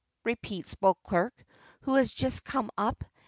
repeats Beauclerk, who has just come up.